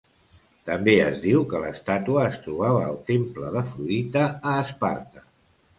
També es diu que l'estàtua es trobava al temple d'Afrodita a Esparta.